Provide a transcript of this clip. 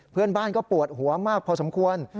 เพื่อนบ้านก็ปวดหัวมากพอสมควร